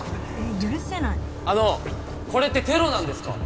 許せないあのこれってテロなんですか？